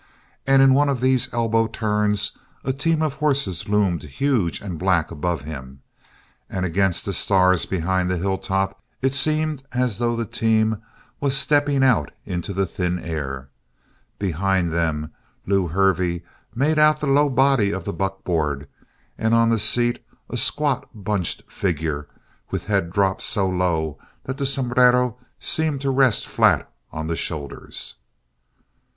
And in one of these elbow turns, a team of horses loomed huge and black above him, and against the stars behind the hilltop it seemed as though the team were stepping out into the thin air. Behind them, Lew Hervey made out the low body of the buckboard and on the seat a squat, bunched figure with head dropped so low that the sombrero seemed to rest flat on the shoulders.